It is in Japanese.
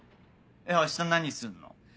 明日何すんの？